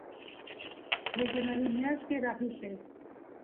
د جنورۍ میاشتې راهیسې